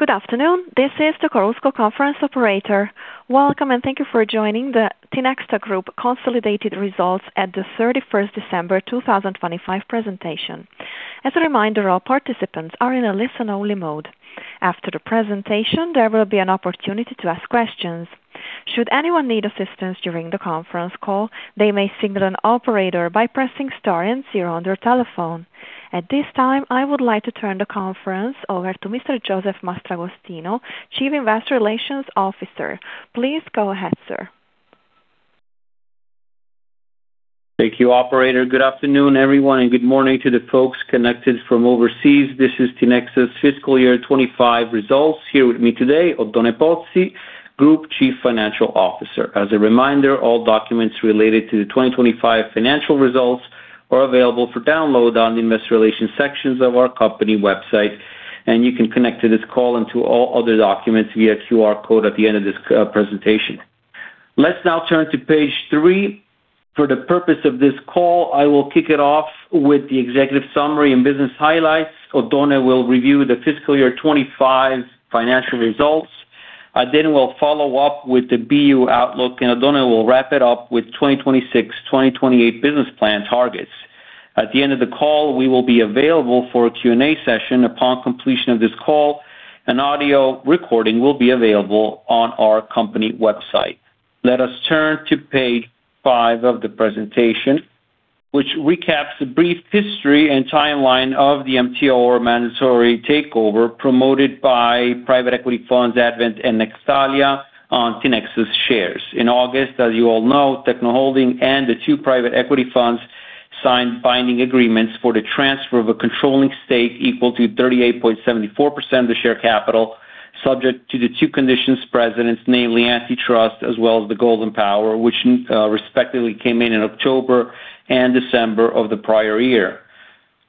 Good afternoon. This is the Chorus Call conference operator. Welcome, and thank you for joining the Tinexta Group consolidated results at the December 31st, 2025 presentation. As a reminder, all participants are in a listen-only mode. After the presentation, there will be an opportunity to ask questions. Should anyone need assistance during the conference call, they may signal an operator by pressing star and zero on their telephone. At this time, I would like to turn the conference over to Mr. Josef Mastragostino, Chief Investor Relations Officer. Please go ahead, sir. Thank you, Operator. Good afternoon, everyone, and good morning to the folks connected from overseas. This is Tinexta's fiscal year 2025 results. Here with me today, Oddone Pozzi, Group Chief Financial Officer. As a reminder, all documents related to the 2025 financial results are available for download on the Investor Relations sections of our company website, and you can connect to this call and to all other documents via QR code at the end of this presentation. Let's now turn to page 3. For the purpose of this call, I will kick it off with the executive summary and business highlights. Oddone will review the fiscal year 2025 financial results. We'll follow up with the BU outlook, and Oddone will wrap it up with 2026, 2028 business plan targets. At the end of the call, we will be available for a Q&A session. Upon completion of this call, an audio recording will be available on our company website. Let us turn to page five of the presentation, which recaps a brief history and timeline of the MTO or mandatory takeover promoted by private equity funds Advent and Nextalia on Tinexta's shares. In August, as you all know, Tecno Holding and the two private equity funds signed binding agreements for the transfer of a controlling stake equal to 38.74% of the share capital, subject to the two conditions precedents, namely antitrust as well as the Golden Power, which respectively came in in October and December of the prior year.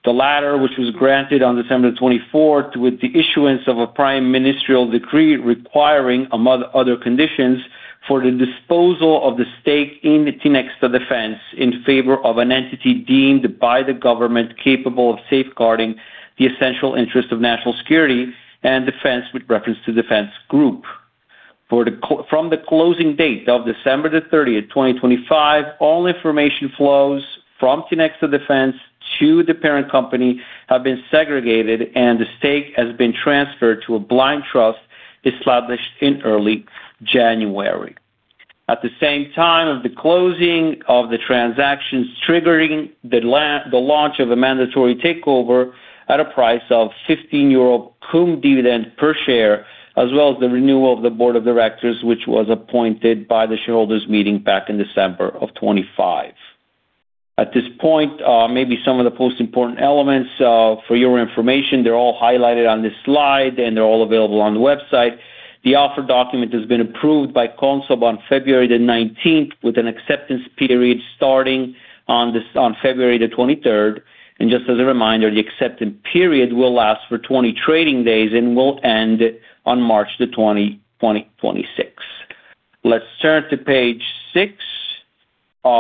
The latter, which was granted on December 24th with the issuance of a prime ministerial decree requiring, among other conditions, for the disposal of the stake in the Tinexta Defence in favor of an entity deemed by the government capable of safeguarding the essential interest of national security and defence with reference to the defence group. From the closing date of December 30th, 2025, all information flows from Tinexta Defence to the parent company have been segregated, and the stake has been transferred to a blind trust established in early January. At the same time of the closing of the transactions triggering the launch of a mandatory takeover at a price of 15 euro cum dividend per share, as well as the renewal of the board of directors, which was appointed by the shareholders meeting back in December of 2025. At this point, maybe some of the most important elements, for your information, they're all highlighted on this slide, and they're all available on the website. The offer document has been approved by Consob on February the 19th, with an acceptance period starting on February the 23rd. Just as a reminder, the acceptance period will last for 20 trading days and will end on March the 20th, 2026. Let's turn to page 6.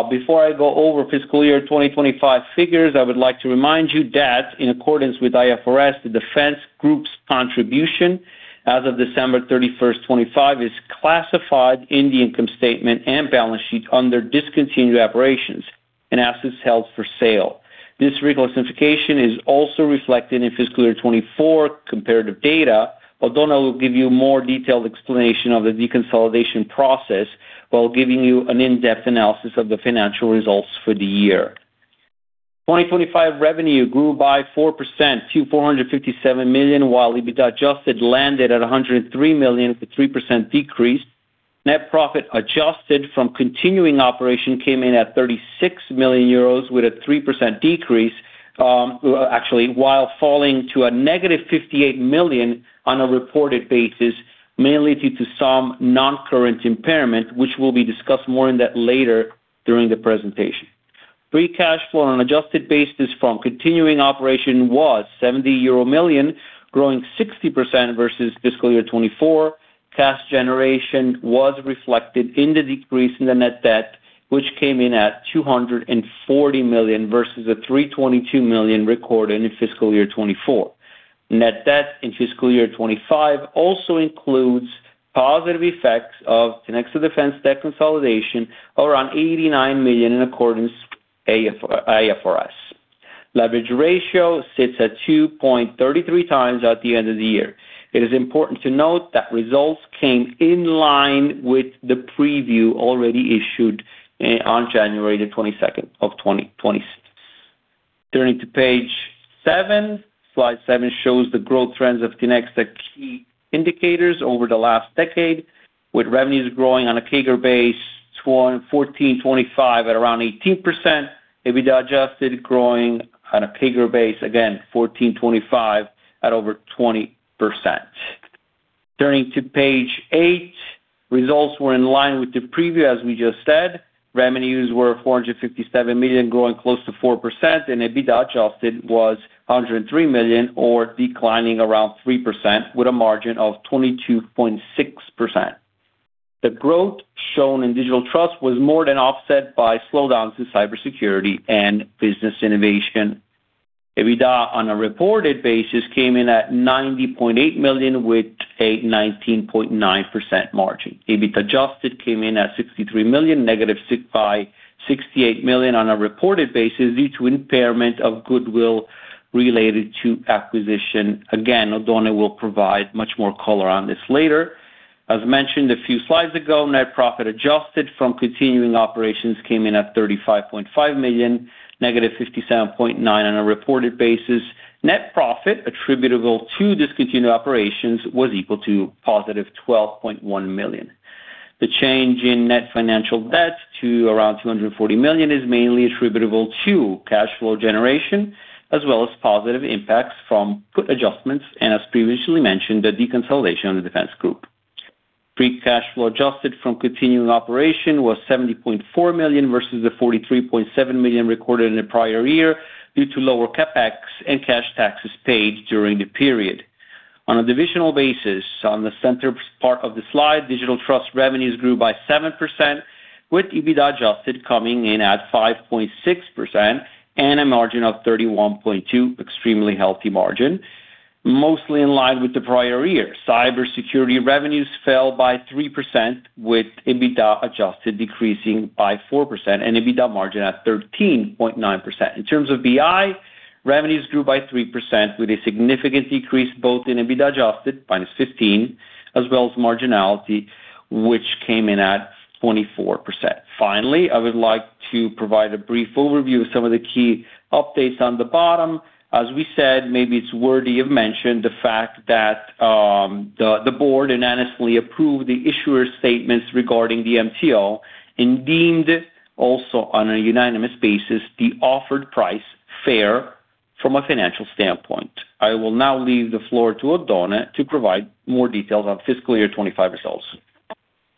Before I go over fiscal year 2025 figures, I would like to remind you that in accordance with IFRS, the defense group's contribution as of December 31st, 2025, is classified in the income statement and balance sheet under discontinued operations and assets held for sale. This reclassification is also reflected in fiscal year 2024 comparative data. Oddone will give you more detailed explanation of the deconsolidation process while giving you an in-depth analysis of the financial results for the year. 2025 revenue grew by 4% to 457 million, while EBITDA adjusted landed at 103 million for 3% decrease. Net profit adjusted from continuing operation came in at 36 million euros with a 3% decrease, actually, while falling to a negative 58 million on a reported basis, mainly due to some non-current impairment, which will be discussed more in that later during the presentation. Free cash flow on an adjusted basis from continuing operation was 70 million euro, growing 60% versus fiscal year 2024. Cash generation was reflected in the decrease in the net debt, which came in at 240 million versus the 322 million recorded in fiscal year 2024. Net debt in fiscal year 2025 also includes positive effects of Tinexta Defence debt consolidation around 89 million in accordance IFRS. Leverage ratio sits at 2.33x at the end of the year. It is important to note that results came in line with the preview already issued on January 22, 2026. Turning to page 7. Slide 7 shows the growth trends of Tinexta key indicators over the last decade, with revenues growing on a CAGR base, 12 and 2014-2025 at around 18%. EBITDA adjusted, growing on a CAGR base, again, 2014-2025 at over 20%. Turning to page 8. Results were in line with the preview, as we just said. Revenues were 457 million, growing close to 4%. EBITDA adjusted was 103 million or declining around 3% with a margin of 22.6%. The growth shown in Digital Trust was more than offset by slowdowns in Cybersecurity and Business Innovation. EBITDA on a reported basis came in at 90.8 million, with a 19.9% margin. EBIT adjusted came in at 63 million, negative 6 by 68 million on a reported basis due to impairment of goodwill related to acquisition. Again, Oddone will provide much more color on this later. As mentioned a few slides ago, net profit adjusted from continuing operations came in at 35.5 million, negative 57.9 on a reported basis. Net profit attributable to discontinued operations was equal to positive 12.1 million. The change in net financial debt to around 240 million is mainly attributable to cash flow generation as well as positive impacts from put adjustments and as previously mentioned, the deconsolidation of the Defense Group. Free cash flow adjusted from continuing operation was 70.4 million versus the 43.7 million recorded in the prior year due to lower CapEx and cash taxes paid during the period. On a divisional basis, on the center part of the slide, Digital Trust revenues grew by 7% with EBITDA adjusted coming in at 5.6% and a margin of 31.2%, extremely healthy margin, mostly in line with the prior year. Cybersecurity revenues fell by 3%, with EBITDA adjusted decreasing by 4% and EBITDA margin at 13.9%. In terms of BI, revenues grew by 3% with a significant decrease both in EBITDA adjusted -15% as well as marginality, which came in at 24%. I would like to provide a brief overview of some of the key updates on the bottom. As we said, maybe it's worthy of mention the fact that the board unanimously approved the issuer statements regarding the MTO and deemed also on a unanimous basis the offered price fair from a financial standpoint. I will now leave the floor to Oddone to provide more details on fiscal year 25 results.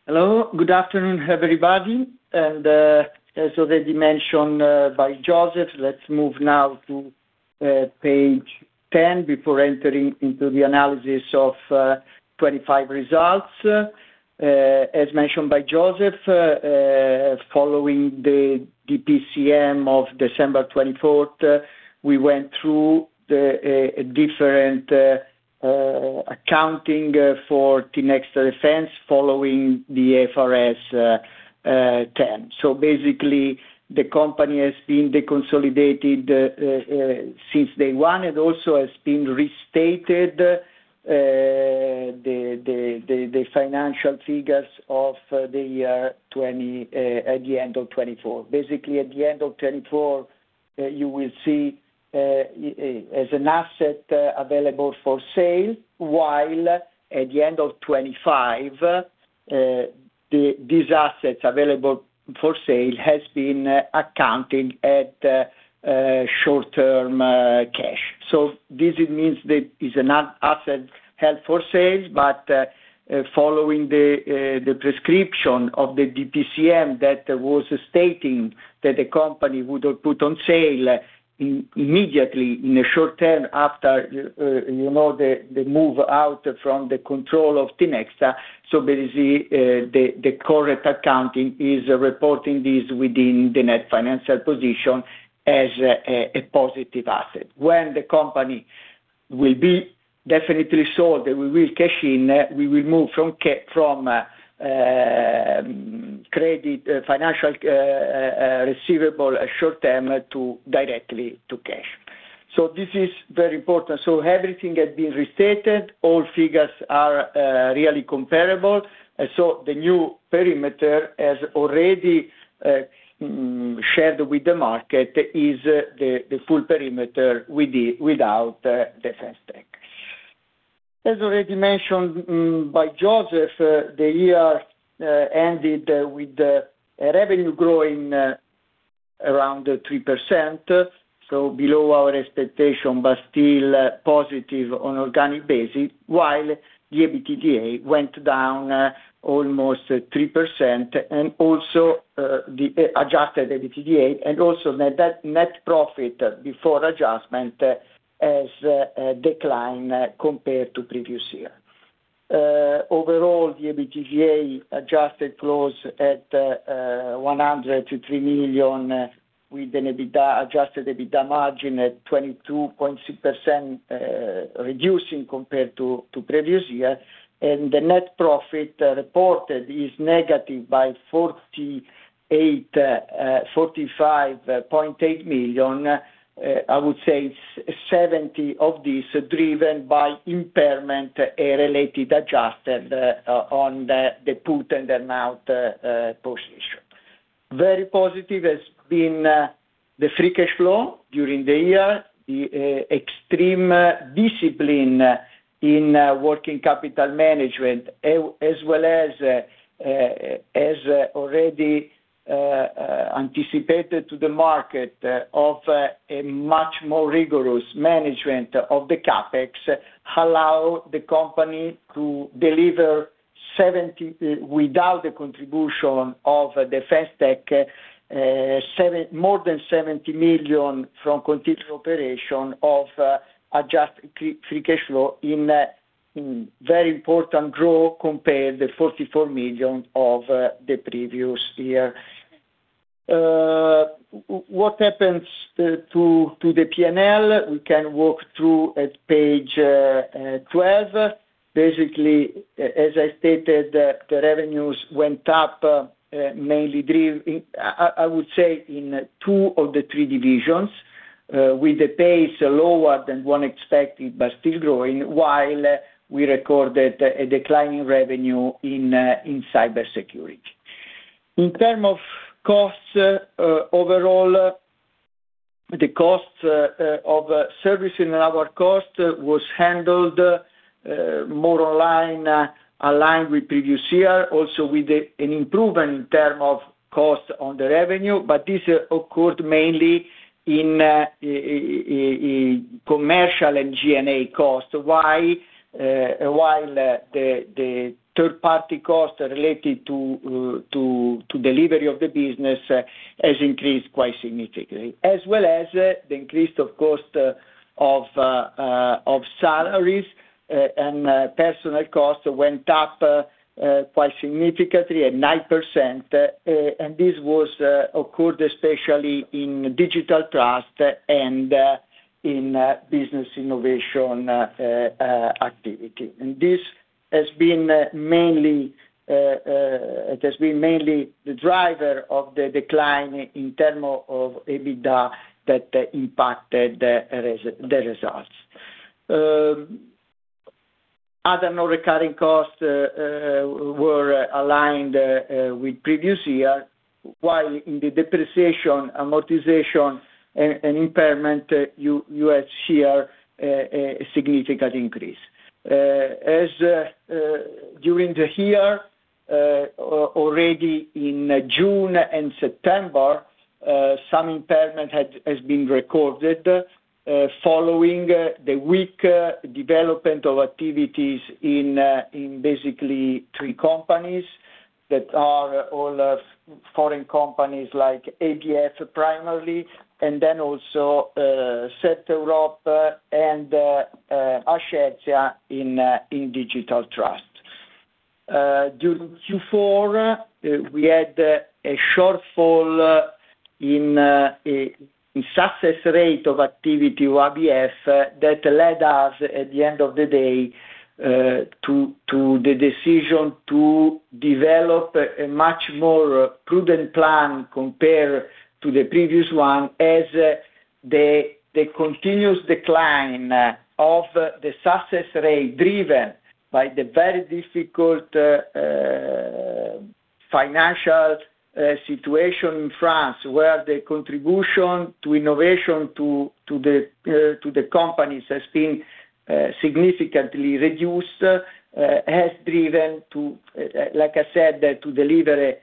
Hello. Good afternoon, everybody. As already mentioned by Joseph, let's move now to page 10 before entering into the analysis of 25 results. As mentioned by Joseph, following the DPCM of December 24th, we went through the different accounting for Tinexta Defence following the FRS term. Basically, the company has been deconsolidated since day one. It also has been restated the financial figures of the year at the end of 24. Basically, at the end of 24, you will see as an asset available for sale, while at the end of 25, these assets available for sale has been accounting at short-term cash. This means that it's an asset held for sale, but following the prescription of the DPCM that was stating that the company would have put on sale immediately in the short term after, you know, the move out from the control of Tinexta. Basically, the correct accounting is reporting this within the net financial position as a positive asset. When the company will be definitely sold, we will cash in, we will move from credit financial receivable short-term to directly to cash. This is very important. Everything has been restated. All figures are really comparable. The new perimeter, as already shared with the market, is the full perimeter without Defence Tech. As already mentioned by Joseph, the year ended with the revenue growing around 3%, so below our expectation, but still positive on organic basis, while the EBITDA went down almost 3% and also the adjusted EBITDA and net profit before adjustment has declined compared to previous year. Overall, the EBITDA adjusted close at 103 million, with an adjusted EBITDA margin at 22.6%, reducing compared to previous year. The net profit reported is negative by 45.8 million. I would say 70 of these driven by impairment related adjusted on the put and the amount position. Very positive has been the free cash flow during the year. The extreme discipline in working capital management, as well as already anticipated to the market of a much more rigorous management of the CapEx, allow the company to deliver more than 70 million from continued operation of adjusted free cash flow in a very important growth compared the 44 million of the previous year. What happens to the PNL? We can walk through at page 12. Basically, as I stated, the revenues went up, mainly I would say in two of the three divisions, with the pace lower than one expected, but still growing, while we recorded a declining revenue in cybersecurity. In term of costs, overall, the costs of service and labor cost was handled more online, aligned with previous year, also with an improvement in term of costs on the revenue. This occurred mainly in commercial and G&A costs. Why? While the third-party costs related to delivery of the business has increased quite significantly, as well as the increase of cost of salaries and personal costs went up quite significantly at 9%. This was occurred especially in Digital Trust and in business innovation activity. This has been mainly, it has been mainly the driver of the decline in term of EBITDA that impacted the results. Other non-recurring costs were aligned with previous year, while in the depreciation, amortization, and impairment, you had here a significant increase. As during the year, already in June and September, some impairment has been recorded following the weak development of activities in basically three companies that are all foreign companies like ADF primarily, and then also CertEurope and Ascertia in Digital Trust. During Q4, we had a shortfall in success rate of activity, ABS, that led us, at the end of the day, to the decision to develop a much more prudent plan compared to the previous one as the continuous decline of the success rate driven by the very difficult financial situation in France, where the contribution to innovation to the companies has been significantly reduced, has driven to, like I said, to deliver a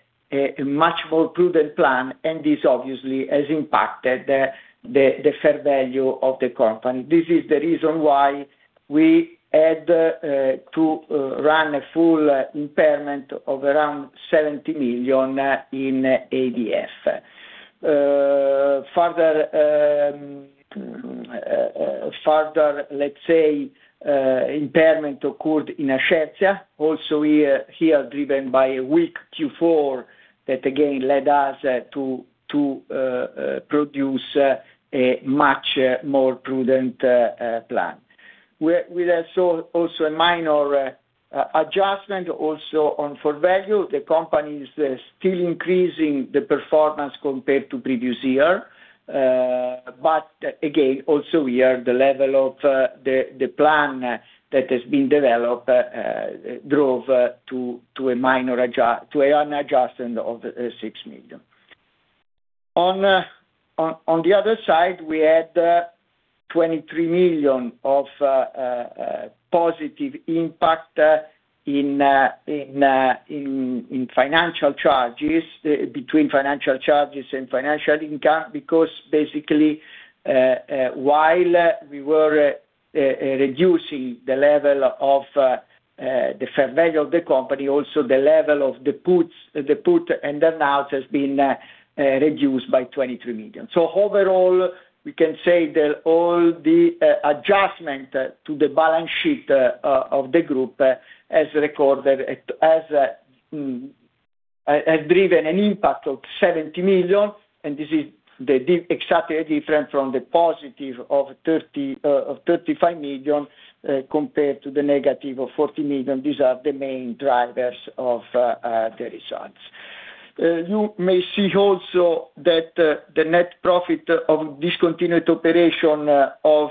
much more prudent plan. This obviously has impacted the fair value of the company. This is the reason why we had to run a full impairment of around 70 million in ADF. Further, let's say, impairment occurred in Ascertia, also here driven by a weak Q4 that again led us to produce a much more prudent plan. We're also a minor adjustment also on fair value. The company is still increasing the performance compared to previous year. Again, also here, the level of the plan that has been developed drove to a minor adjustment of 6 million. On the other side, we had 23 million of positive impact in financial charges, between financial charges and financial income, because basically, while we were reducing the level of the fair value of the company, also the level of the puts, the put and the now has been reduced by 23 million. Overall, we can say that all the adjustment to the balance sheet of the group has recorded, has driven an impact of 70 million, and this is exactly different from the positive of 30, of 35 million, compared to the negative of 40 million. These are the main drivers of the results. You may see also that the net profit of discontinued operation of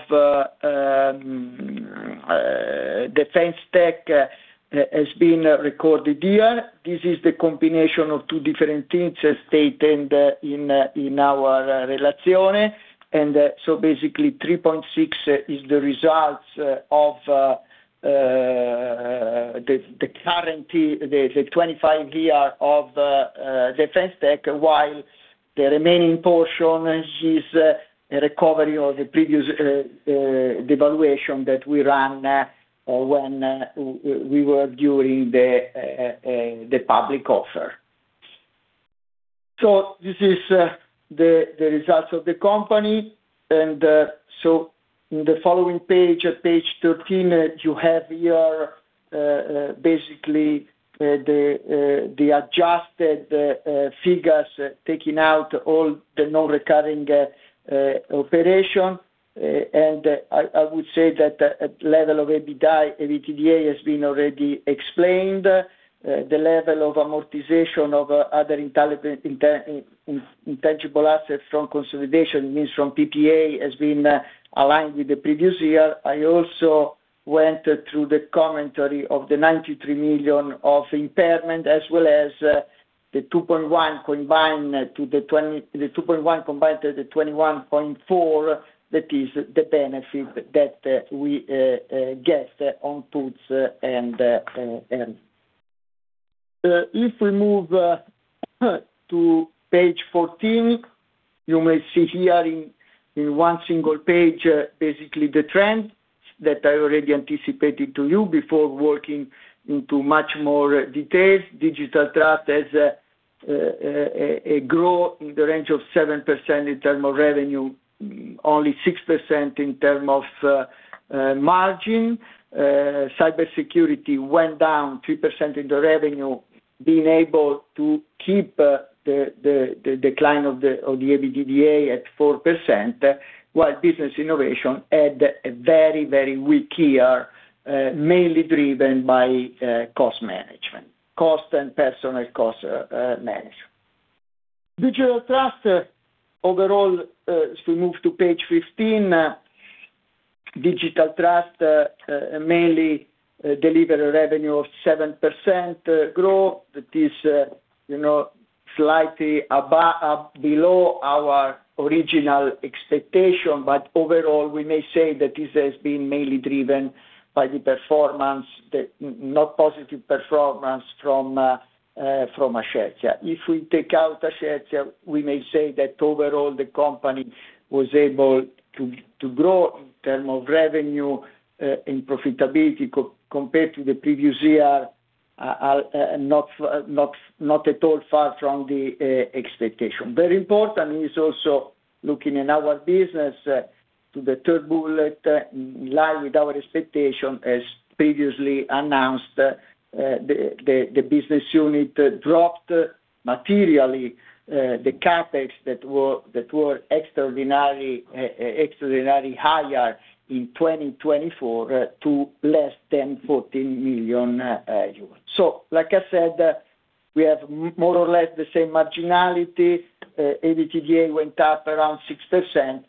Defense Tech has been recorded here. This is the combination of two different things as stated in our relazione. Basically 3.6 is the results of the current 25 year of Defense Tech, while the remaining portion is a recovery of the previous devaluation that we ran when we were doing the public offer. This is the results of the company. In the following page, at page 13, you have here basically the adjusted figures taking out all the non-recurring operation. I would say that the level of EBITDA has been already explained. The level of amortization of other intangible assets from consolidation, means from PPA, has been aligned with the previous year. I also went through the commentary of the 93 million of impairment as well as the 2.1 combined to the 21.4, that is the benefit that we get on puts and. If we move to page 14, you may see here in one single page, basically the trends that I already anticipated to you before working into much more detail. Digital Trust has a grow in the range of 7% in term of revenue, only 6% in term of margin. Cybersecurity went down 2% in the revenue, being able to keep the decline of the EBITDA at 4%, while Business Innovation had a very, very weak year, mainly driven by cost management, cost and personal cost management. Digital Trust overall, as we move to page 15, Digital Trust mainly deliver a revenue of 7% growth. That is, you know, slightly below our original expectation. Overall, we may say that this has been mainly driven by the performance, the not positive performance from Ascertia. If we take out Ascertia, we may say that overall the company was able to grow in terms of revenue, in profitability compared to the previous year, not at all far from the expectation. Very important is also looking in our business to the third bullet, in line with our expectation as previously announced, the business unit dropped materially the CapEx that were extraordinarily higher in 2024, to less than 14 million euros. Like I said, we have more or less the same marginality. EBITDA went up around 6%,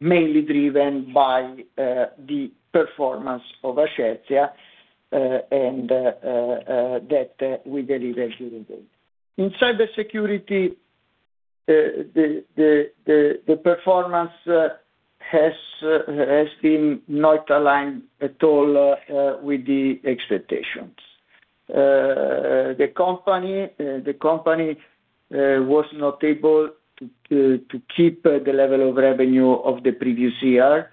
mainly driven by the performance of Ascertia, and that we delivered year to date. In Cybersecurity, the performance has been not aligned at all with the expectations. The company was not able to keep the level of revenue of the previous year.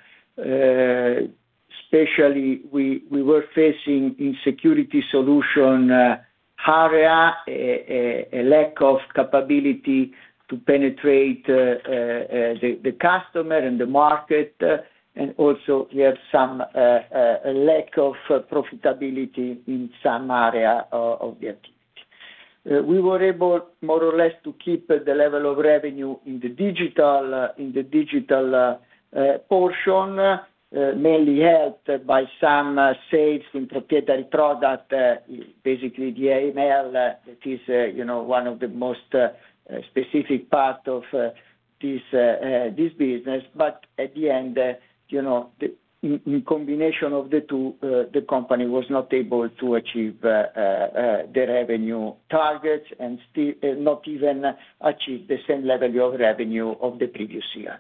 Especially we were facing insecurity solution area, a lack of capability to penetrate the customer and the market. Also we have some lack of profitability in some area of the activity. We were able more or less to keep the level of revenue in the digital, in the digital portion, mainly helped by some sales in proprietary product, basically the email, that is, you know, one of the most specific part of this business. At the end, you know, in combination of the two, the company was not able to achieve the revenue targets and still not even achieve the same level of revenue of the previous year.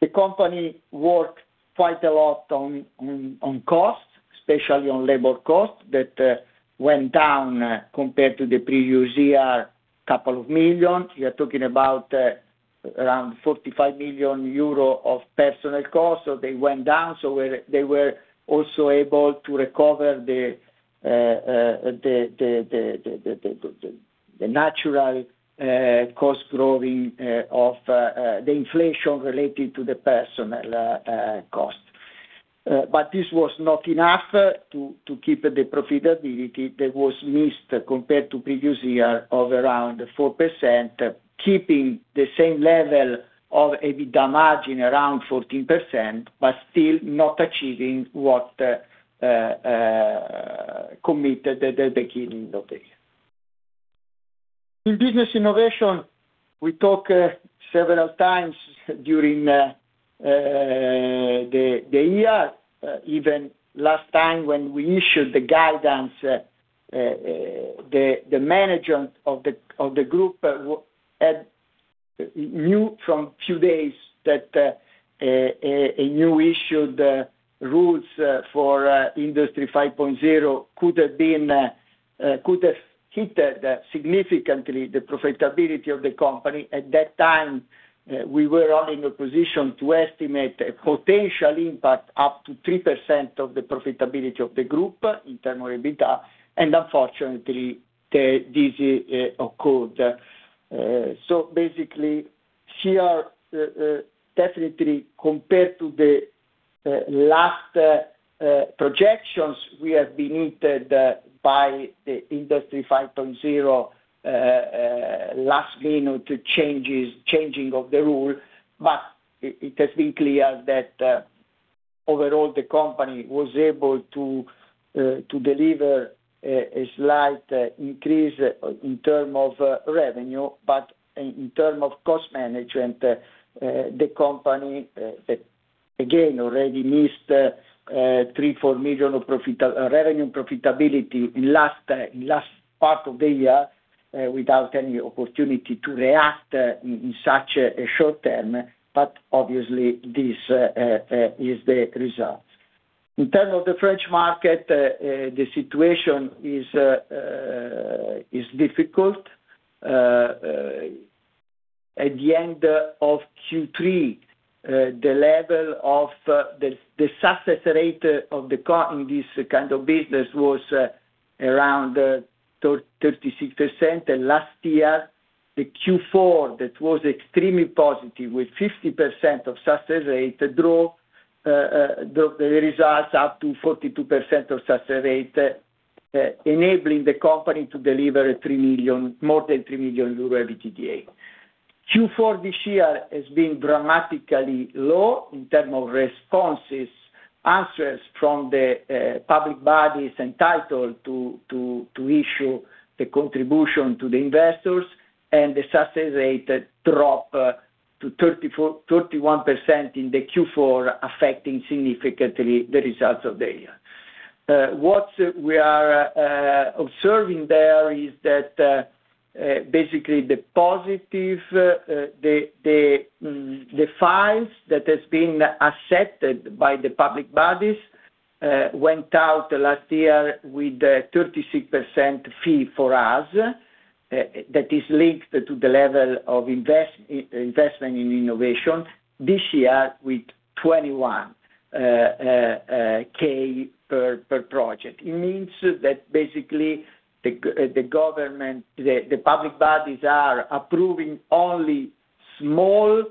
The company worked quite a lot on costs, especially on labor costs that went down compared to the previous year, couple of million EUR. We are talking about around 45 million euro of personal costs, so they went down. Where they were also able to recover the natural cost growing of the inflation related to the personal cost. This was not enough to keep the profitability that was missed compared to previous year of around 4%, keeping the same level of EBITDA margin around 14%, but still not achieving what committed at the beginning of the year. In Business Innovation, we talk several times during the year, even last time when we issued the guidance, the management of the group knew from few days that a new issued rules for Industry 5.0 could have been could have hit significantly the profitability of the company. At that time, we were only in a position to estimate a potential impact up to 3% of the profitability of the group in term of EBITDA. Unfortunately, this occurred. Basically, here, definitely compared to the last projections, we have been hit by the Industry 5.0, last minute changes, changing of the rule, but it has been clear that overall, the company was able to deliver a slight increase in term of revenue. In term of cost management, the company again, already missed 3, 4 million of revenue profitability in last part of the year, without any opportunity to react in in such a short term. Obviously, this is the result. In terms of the French market, the situation is difficult. At the end of Q3, the level of the success rate of the business was around 36%. Last year, the Q4, that was extremely positive, with 50% of success rate, drove the results up to 42% of success rate, enabling the company to deliver more than 3 million euro EBITDA. Q4 this year has been dramatically low in terms of responses, answers from the public bodies entitled to issue the contribution to the investors, the success rate dropped to 31% in the Q4, affecting significantly the results of the year. What we are observing there is that basically the positive, the files that has been accepted by the public bodies, went out last year with a 36% fee for us, that is linked to the level of investment in innovation. This year, with 21K per project. It means that basically the government, the public bodies are approving only small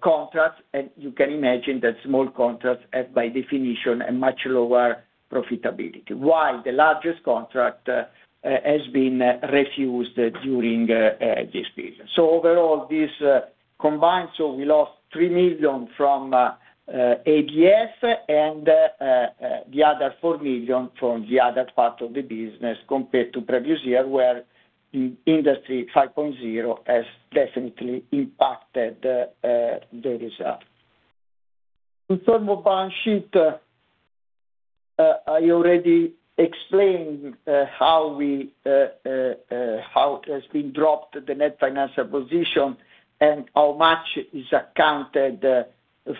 contracts. You can imagine that small contracts have, by definition, a much lower profitability, while the largest contract has been refused during this period. Overall, this combined, we lost 3 million from ABS and the other 4 million from the other part of the business compared to previous year, where Industry 5.0 has definitely impacted the result. In terms of balance sheet, I already explained how it has been dropped, the net financial position, and how much is accounted for the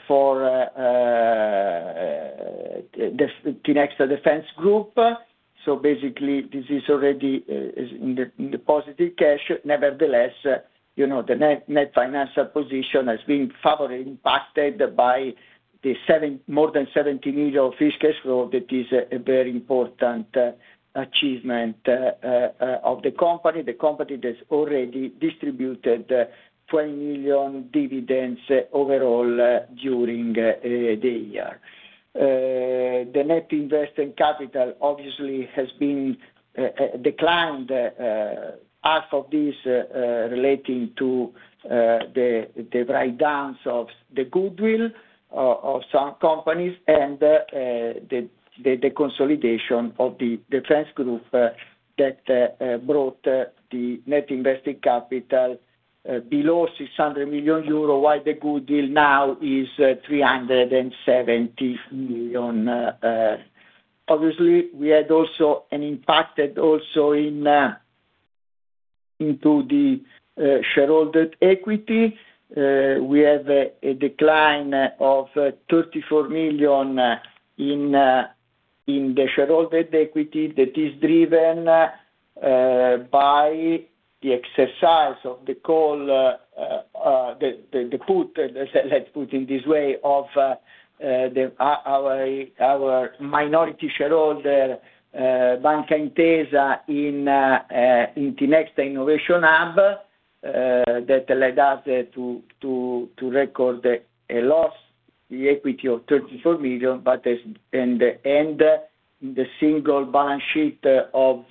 Tinexta Defence Group. Basically, this is already in the positive cash. Nevertheless, you know, the net financial position has been favorably impacted by more than 70 million free cash flow. That is a very important achievement of the company. The company has already distributed 20 million dividends overall during the year. The net investing capital obviously has been declined, half of this relating to the write-downs of the goodwill of some companies and the consolidation of the Defence Group, that brought the net investing capital below 600 million euro, while the goodwill now is 370 million. Obviously, we had also an impact into the shareholder equity. We have a decline of 34 million in the shareholder equity that is driven by the exercise of the call, the put, let's put it this way, of our minority shareholder, Intesa Sanpaolo in Tinexta Innovation Hub S.p.A., that led us to record a loss, the equity of 34 million, but as in the end, in the single balance sheet of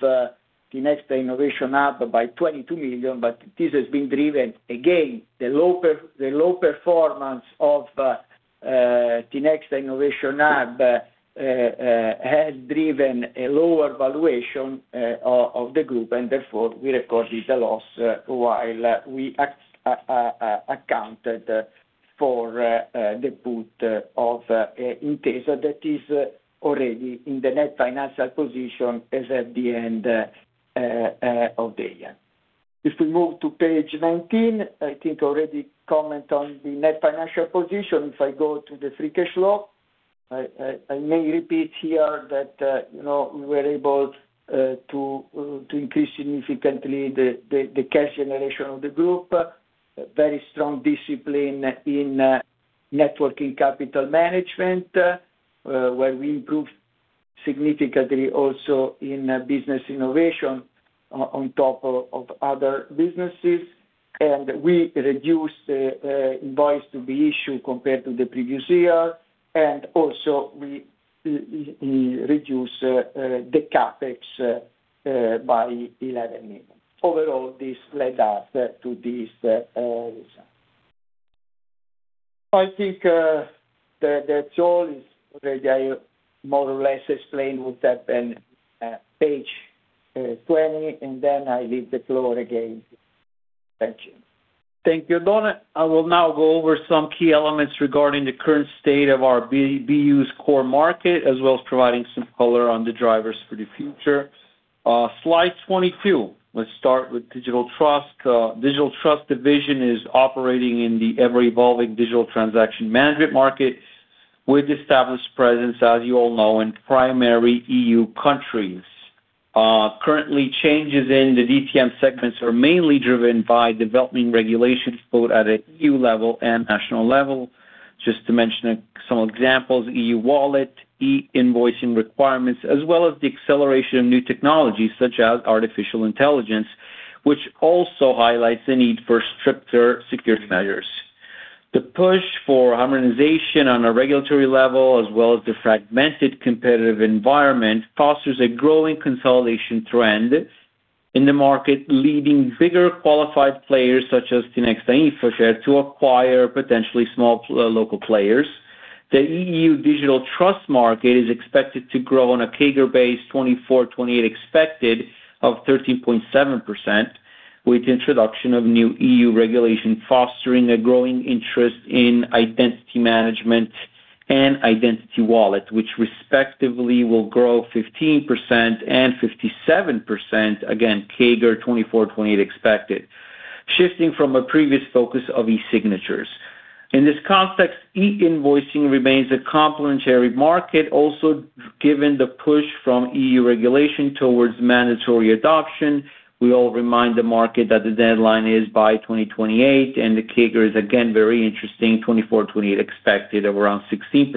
Tinexta Innovation Hub S.p.A. by 22 million. This has been driven, again, the low performance of Tinexta Innovation Hub S.p.A. has driven a lower valuation of the group, and therefore, we recorded a loss while we accounted for the put of Intesa Sanpaolo that is already in the net financial position as at the end of the year. If we move to page 19, I think I already comment on the net financial position. If I go to the free cash flow, I may repeat here that, you know, we were able to increase significantly the cash generation of the group. Very strong discipline in networking capital management, where we improved significantly also in business innovation on top of other businesses. We reduced invoice to be issued compared to the previous year, and also we reduce the CapEx by 11 million. Overall, this led us to this result. I think that's all. Is already I more or less explained what's happened at page 20, I leave the floor again. Thank you. Thank you, Oddone. I will now go over some key elements regarding the current state of our BU's core market, as well as providing some color on the drivers for the future. Slide 22. Let's start with Digital Trust. Digital Trust division is operating in the ever-evolving digital transaction management market with established presence, as you all know, in primary EU countries. Currently, changes in the DTM segments are mainly driven by developing regulations both at a EU level and national level. Just to mention some examples, EU wallet, e-invoicing requirements, as well as the acceleration of new technologies such as artificial intelligence, which also highlights the need for stricter security measures. The push for harmonization on a regulatory level as well as the fragmented competitive environment fosters a growing consolidation trend in the market, leading bigger qualified players such as Tinexta to acquire potentially small local players. The EU Digital Trust market is expected to grow on a CAGR-based 2024-2028 expected of 13.7%, with introduction of new EU regulation fostering a growing interest in identity management and Identity Wallet, which respectively will grow 15% and 57%, again, CAGR 2024-2028 expected, shifting from a previous focus of e-signatures. In this context, e-invoicing remains a complementary market. Given the push from EU regulation towards mandatory adoption, we all remind the market that the deadline is by 2028, and the CAGR is again very interesting, 2024-2028 expected of around 16%.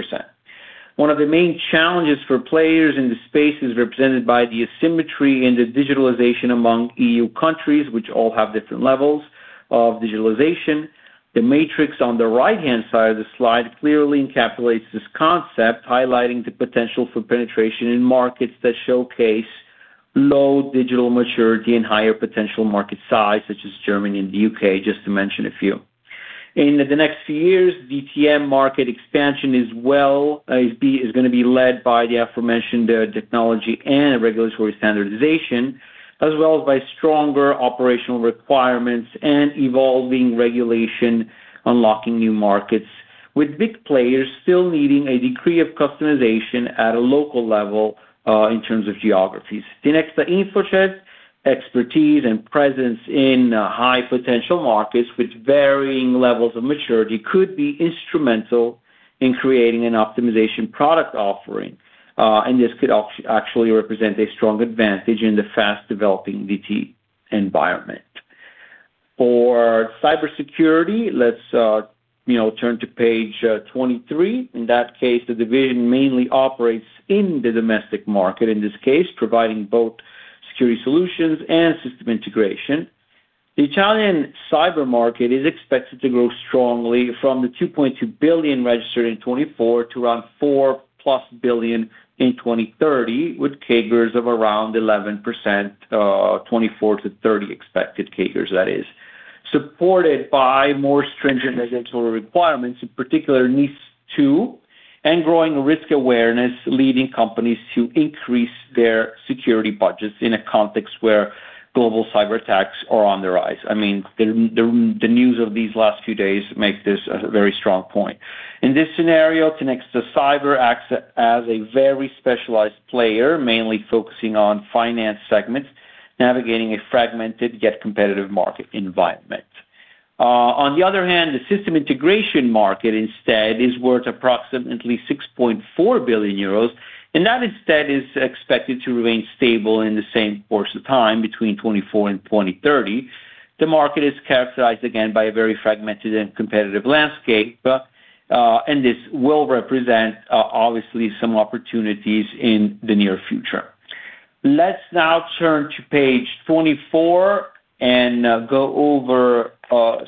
One of the main challenges for players in the space is represented by the asymmetry in the digitalization among EU countries, which all have different levels of digitalization. The matrix on the right-hand side of the slide clearly encapsulates this concept, highlighting the potential for penetration in markets that showcase low digital maturity and higher potential market size, such as Germany and the U.K., just to mention a few. In the next few years, DTM market expansion is well, is gonna be led by the aforementioned technology and regulatory standardization, as well as by stronger operational requirements and evolving regulation, unlocking new markets, with big players still needing a decree of customization at a local level, in terms of geographies. The next, the InfoCert expertise and presence in high potential markets with varying levels of maturity could be instrumental in creating an optimization product offering, actually represent a strong advantage in the fast-developing DT environment. For cybersecurity, let's, you know, turn to page 23. In that case, the division mainly operates in the domestic market, in this case, providing both security solutions and system integration. The Italian cyber market is expected to grow strongly from the 2.2 billion registered in 2024 to around 4+ billion in 2030, with CAGRs of around 11%, 2024-2030 expected CAGRs that is, supported by more stringent regulatory requirements, in particular, NIS 2 and growing risk awareness, leading companies to increase their security budgets in a context where global cyber attacks are on the rise. I mean, the news of these last few days makes this a very strong point. In this scenario, connects the cyber acts as a very specialized player, mainly focusing on finance segments, navigating a fragmented yet competitive market environment. On the other hand, the system integration market instead is worth approximately 6.4 billion euros, and that instead is expected to remain stable in the same course of time between 2024 and 2030. The market is characterized again by a very fragmented and competitive landscape, and this will represent obviously some opportunities in the near future. Let's now turn to page 24 and go over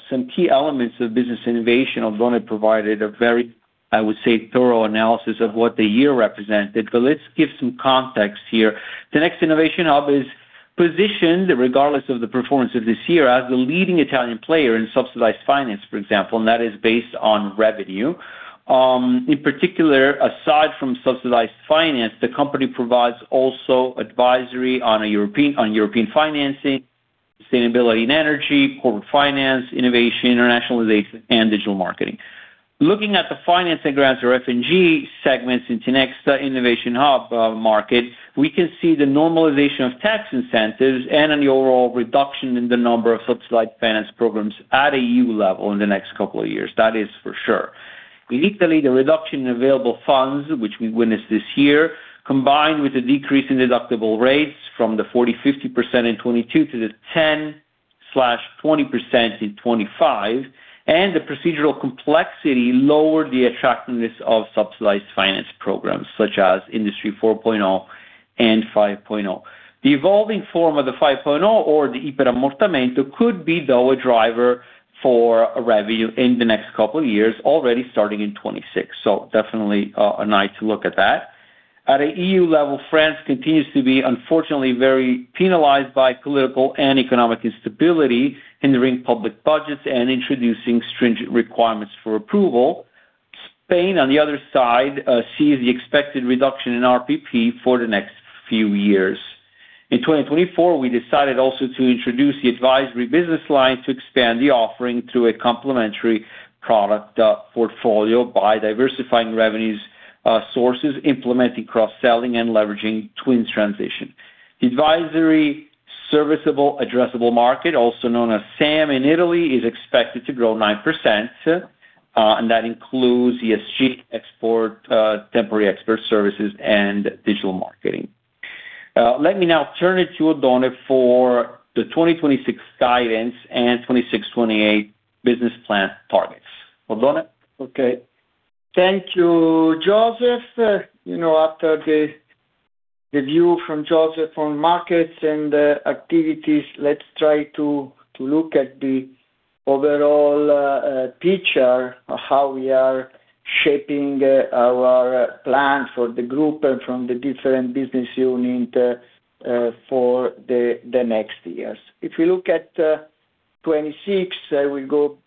some key elements of business innovation. I've only provided a very, I would say, thorough analysis of what the year represented, but let's give some context here. Tinexta Innovation Hub is positioned regardless of the performance of this year as the leading Italian player in subsidized finance, for example. That is based on revenue. In particular, aside from subsidized finance, the company provides also advisory on European financing, sustainability and energy, corporate finance, innovation, internationalization, and digital marketing. Looking at the finance and grants or F&G segments in Tinexta Innovation Hub market, we can see the normalization of tax incentives and an overall reduction in the number of subsidized finance programs at a EU level in the next couple of years. That is for sure. In Italy, the reduction in available funds, which we witnessed this year, combined with a decrease in deductible rates from the 40%-50% in 2022 to the 10%-20% in 2025, and the procedural complexity lowered the attractiveness of subsidized finance programs such as Industry 4.0 and 5.0. The evolving form of the 5.0 or the iperammortamento could be, though, a driver for revenue in the next couple of years, already starting in 2026. Definitely, an eye to look at that. At an EU level, France continues to be unfortunately very penalized by political and economic instability, hindering public budgets and introducing stringent requirements for approval. Spain, on the other side, sees the expected reduction in RPP for the next few years. In 2024, we decided also to introduce the advisory business line to expand the offering to a complementary product portfolio by diversifying revenues sources, implementing cross-selling and leveraging twins transition. The advisory serviceable addressable market, also known as SAM in Italy, is expected to grow 9%, and that includes ESG export, temporary expert services and digital marketing. Let me now turn it to Oddone for the 2026 guidance and 2026-2028 business plan targets. Oddone? Okay. Thank you, Joseph. You know, after the view from Joseph on markets and activities, let's try to look at the overall picture of how we are shaping our plan for the group and from the different business unit for the next years. If you look at 26, I will go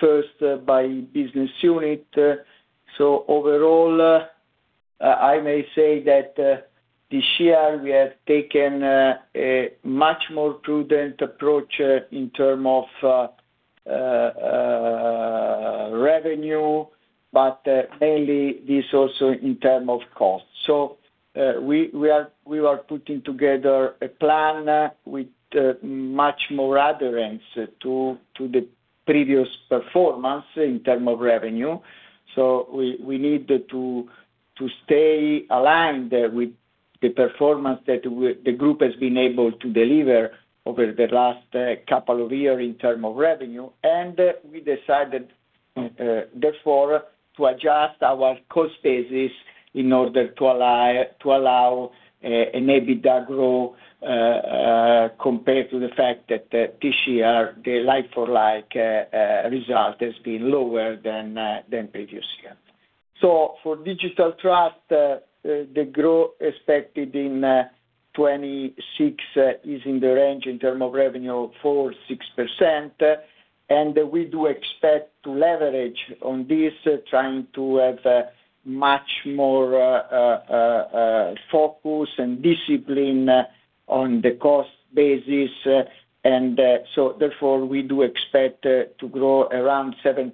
first by business unit. Overall, I may say that this year we have taken a much more prudent approach in terms of revenue, but mainly this also in terms of cost. We are putting together a plan with much more adherence to the previous performance in terms of revenue. We need to stay aligned with the performance that the group has been able to deliver over the last couple of year in term of revenue. We decided, therefore, to adjust our cost basis in order to allow an EBITDA growth, compared to the fact that this year, the like-for-like result has been lower than previous year. For Digital Trust, the growth expected in 2026 is in the range in term of revenue 4% or 6%. We do expect to leverage on this, trying to have much more focus and discipline on the cost basis. Therefore, we do expect to grow around 7%.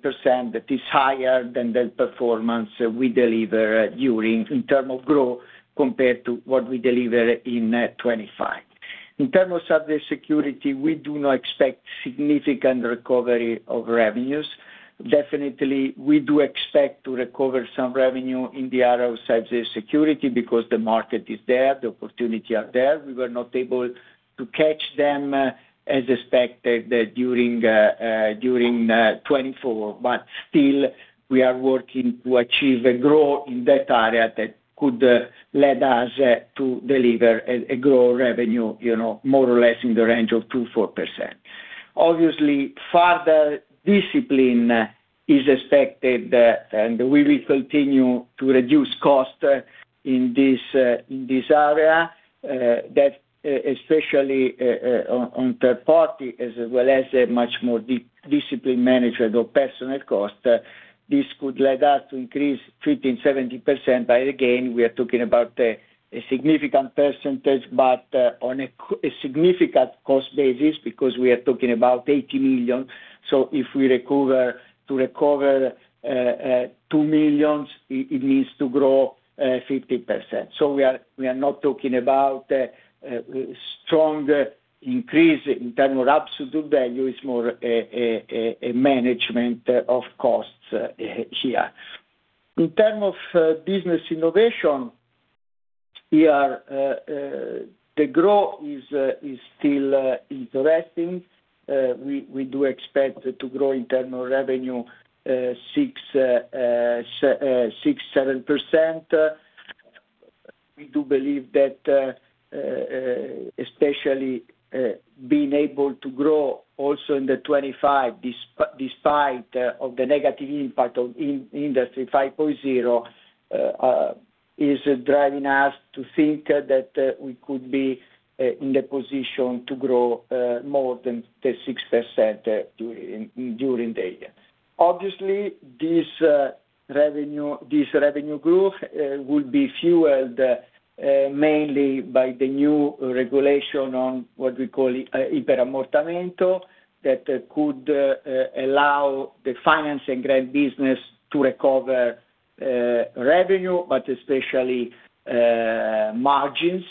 That is higher than the performance we deliver during internal growth compared to what we deliver in 2025. In terms of cybersecurity, we do not expect significant recovery of revenues. Definitely, we do expect to recover some revenue in the area of cybersecurity because the market is there, the opportunity are there. We were not able to catch them as expected during 2024. Still, we are working to achieve a growth in that area that could lead us to deliver a growth revenue, you know, more or less in the range of 2%-4%. Obviously, further discipline is expected, and we will continue to reduce costs in this area that especially on third party, as well as a much more disciplined management of personal cost. This could lead us to increase 15%-17%, but again, we are talking about a significant percentage, but on a significant cost basis because we are talking about 80 million. If we recover to recover 2 million, it needs to grow 15%. We are not talking about a strong increase in term of absolute value. It's more a management of costs here. In term of business innovation, the growth is still interesting. We do expect to grow internal revenue 6%-7%. We do believe that, especially, being able to grow also in 25, despite of the negative impact of Industry 5.0, is driving us to think that we could be in the position to grow more than the 6% during the year. This revenue growth will be fueled mainly by the new regulation on what we call iperammortamento, that could allow the finance and grant business to recover revenue, but especially margins.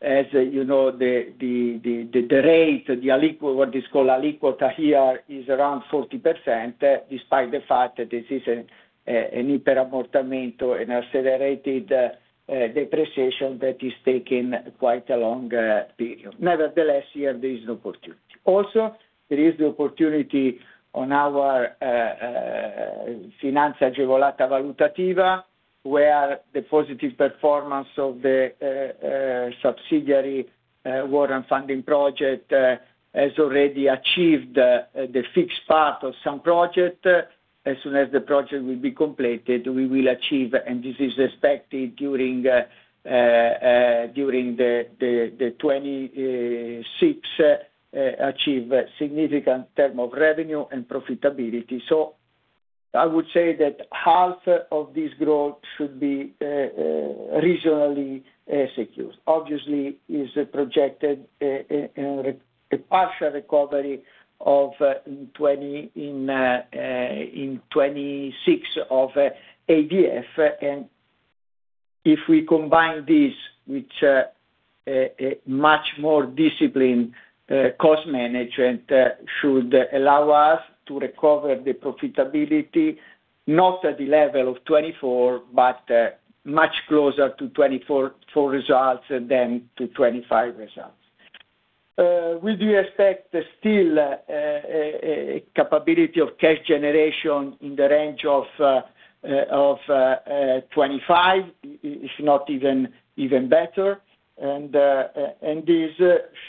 As you know, the rate, the aliquota here is around 40%, despite the fact that this is an iperammortamento, an accelerated depreciation that is taking quite a long period. Here there is an opportunity. Also, there is the opportunity on our Finanza Agevolata Valutativa, where the positive performance of the subsidiary Warrant funding project has already achieved the fixed part of some project. As soon as the project will be completed, we will achieve, and this is expected during 2026, significant term of revenue and profitability. I would say that half of this growth should be reasonably secured. Obviously is projected a partial recovery of 20 in 2026 of ADF. If we combine this with a much more disciplined cost management should allow us to recover the profitability, not at the level of 2024, but much closer to 2024 results than to 2025 results. We do expect still capability of cash generation in the range of 25%, if not even better. This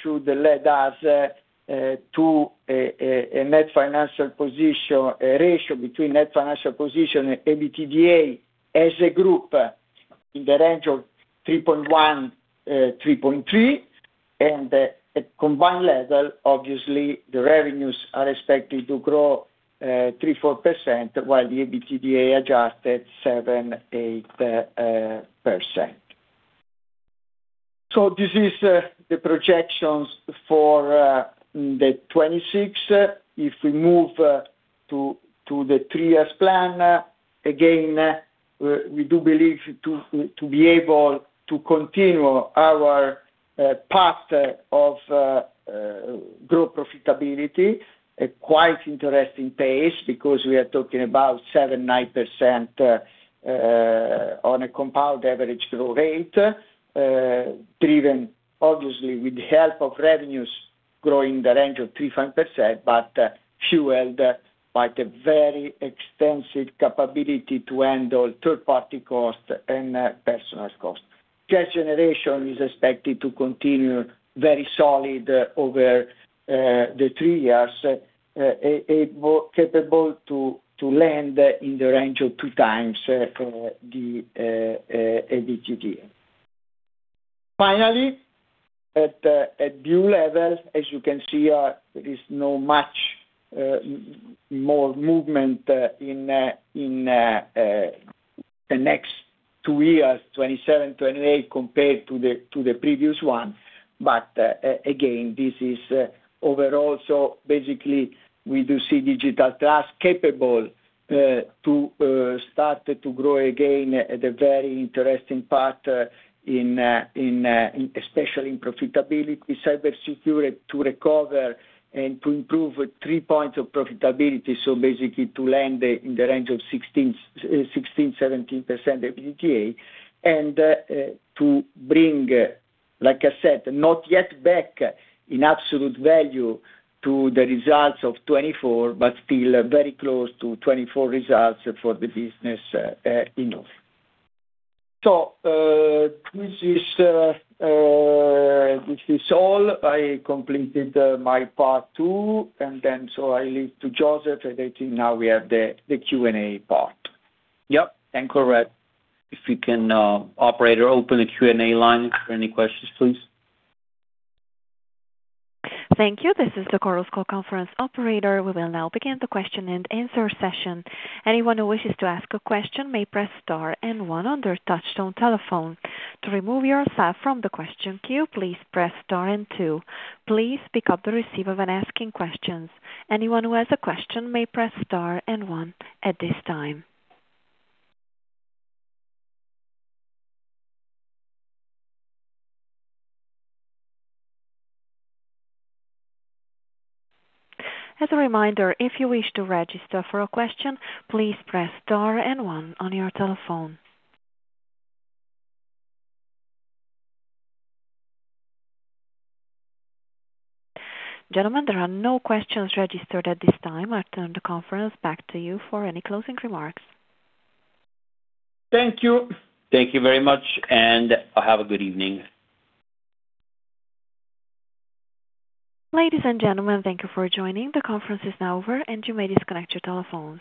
should lead us to a net financial position, a ratio between net financial position and EBITDA as a group in the range of 3.1-3.3. At combined level, obviously, the revenues are expected to grow 3%-4%, while the EBITDA adjusted 7%-8%. This is the projections for 2026. If we move to the three years plan, again, we do believe to be able to continue our path of grow profitability at quite interesting pace because we are talking about 7%-9% on a compound average growth rate, driven obviously with the help of revenues growing in the range of 3%-5%, but fueled by the very extensive capability to handle third party costs and personal costs. Cash generation is expected to continue very solid over the three years. It capable to land in the range of 2x the EBITDA. Finally, at view level, as you can see, there is no much more movement in the next two years, 2027, 2028 compared to the previous one. Again, this is overall. Basically, we do see Digital Trust capable to start to grow again at a very interesting path, especially in profitability, cybersecurity to recover and to improve three points of profitability. Basically to land in the range of 16%-17% EBITDA. To bring, like I said, not yet back in absolute value to the results of 2024, but still very close to 2024 results for the business enough. This is all. I completed my part two, I leave to Josef. I think now we have the Q&A part. Yep, and correct. If we can, operator open the Q&A line for any questions, please. Thank you. This is the Chorus Call conference operator. We will now begin the question and answer session. Anyone who wishes to ask a question may press star and one on their touchtone telephone. To remove yourself from the question queue, please press star and two. Please pick up the receiver when asking questions. Anyone who has a question may press star and one at this time. As a reminder, if you wish to register for a question, please press star and one on your telephone. Gentlemen, there are no questions registered at this time. I turn the conference back to you for any closing remarks. Thank you. Thank you very much, and have a good evening. Ladies and gentlemen, thank you for joining. The conference is now over. You may disconnect your telephones.